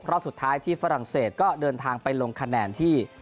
รอบสุดท้ายที่ฝรั่งเศสก็เดินทางไปลงคะแนนที่